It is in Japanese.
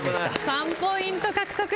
３ポイント獲得です。